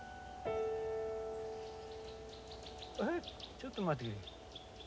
ちょっと待ってくれ。